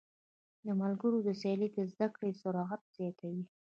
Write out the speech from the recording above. د ملګرو سیالۍ د زده کړې سرعت زیاتوي.